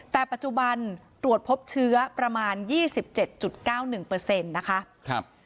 แต่ปัจจุบันตรวจพบเชื้อประมาณ๒๗๙๑นะคะ